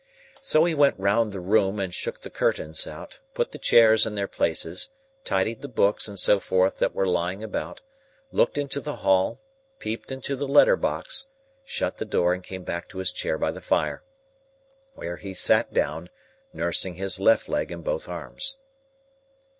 So he went round the room and shook the curtains out, put the chairs in their places, tidied the books and so forth that were lying about, looked into the hall, peeped into the letter box, shut the door, and came back to his chair by the fire: where he sat down, nursing his left leg in both arms.